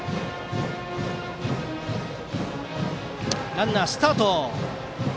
ランナースタート。